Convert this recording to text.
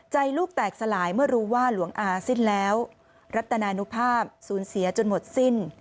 ลูกแตกสลายเมื่อรู้ว่าหลวงอาสิ้นแล้วรัตนานุภาพสูญเสียจนหมดสิ้น